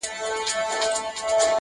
مينه خوشبوي ده د رڼا سفر دے